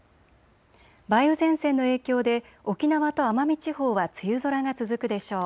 梅雨前線の影響で沖縄と奄美地方は梅雨空が続くでしょう。